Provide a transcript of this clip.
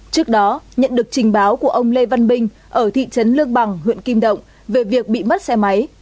trước đó nhận được trình báo của ông lê văn binh ở thị trấn lương bằng huyện kim động về việc bị mất xe máy